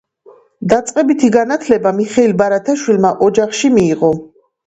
დაწყებითი განათლება მიხეილ ბარათაშვილმა ოჯახში მიიღო.